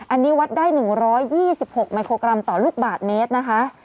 อันนี้วัดได้๑๒๖มิโครกรัมต่อลูกบาทเมตรนะคะ